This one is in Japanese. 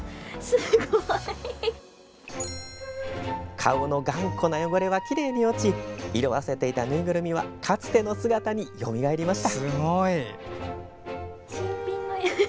顔の頑固な汚れはきれいに落ち色あせていたぬいぐるみはかつての姿によみがえりました。